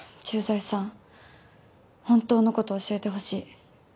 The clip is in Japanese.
駐在さん本当のこと教えてほしい。